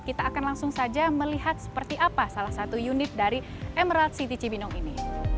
kita akan langsung saja melihat seperti apa salah satu unit dari emerald city cibinong ini